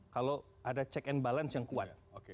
kalau ada check and balance yang kuat